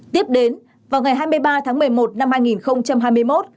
tiếp đến vào ngày hai mươi ba tháng một mươi một năm hai nghìn hai mươi một